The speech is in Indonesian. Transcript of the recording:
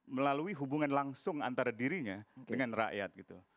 melalui hubungan langsung antara dirinya dengan rakyat gitu